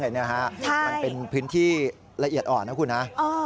มันเป็นพื้นที่ละเอียดอ่อนนะคุณนะ